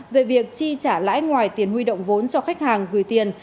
về việc chi trả lãi ngoài tiền huy động vốn cho khách hàng gửi tiền